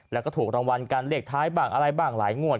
แล้วก็ถูกรางวัลการเลขท้ายบ้างอะไรบ้างหลายงวด